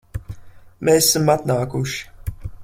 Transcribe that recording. Mēs esam atnākuši